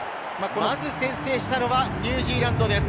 まず先制したのはニュージーランドです。